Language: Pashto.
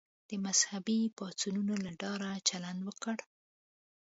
د مذهبي پاڅونونو له ډاره چلند وکړ.